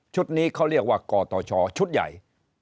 นี้เขาเรียกว่ากตชชุดใหญ่